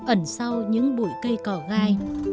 ẩn sau những bụi cây cỏ gai